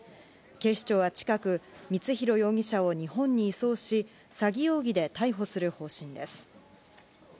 警視庁は近く、光弘容疑者を日本に移送し、詐欺容疑で逮捕する方針です。